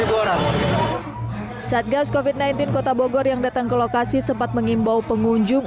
tujuh ribu orang saat gas kofit sembilan belas kota bogor yang datang ke lokasi sempat mengimbau pengunjung